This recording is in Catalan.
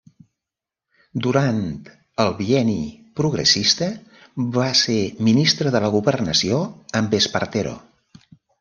Durant el Bienni Progressista va ser Ministre de la Governació amb Espartero.